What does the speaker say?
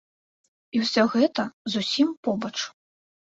І ўсё гэта зусім побач.